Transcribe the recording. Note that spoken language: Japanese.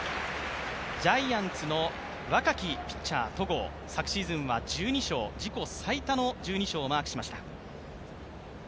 ジャイアンツの若きピッチャー戸郷、昨シーズンは自己最多の１２勝をマークしました。